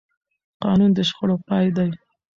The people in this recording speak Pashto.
قانون د شخړو پای دی